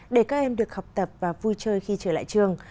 để các em được học tập và vui chơi khi trở lại trường